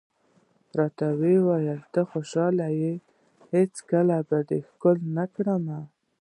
راته ووایه چې ته خوشحاله یې، هېڅکله به دې ښکل نه کړم.